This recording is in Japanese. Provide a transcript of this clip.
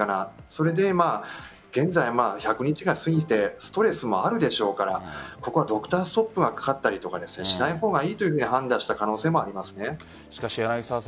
それで、現在１００日が過ぎてストレスもあるでしょうからここはドクターストップがかかったりとかしないほうがいいと判断した可能性もあります。